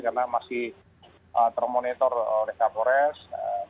karena masih termonitor reka polres